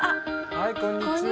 はいこんにちは。